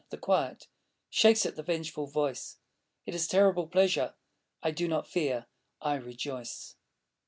the quiet Shakes at the vengeful voice.... It is terrible pleasure. I do not fear: I rejoice.